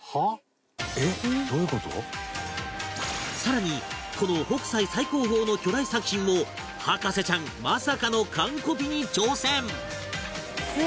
更にこの北斎最高峰の巨大作品も博士ちゃんまさかの完コピに挑戦！